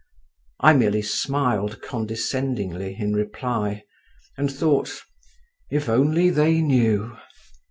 I merely smiled condescendingly in reply, and thought, "If only they knew!"